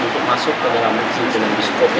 untuk masuk ke dalam film besko